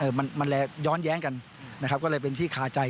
มันมันเลยย้อนแย้งกันนะครับก็เลยเป็นที่คาใจ